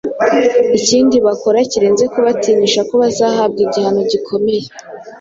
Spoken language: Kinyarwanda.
ikindi bakora kirenze kubatinyisha ko bazahabwa igihano gikomeye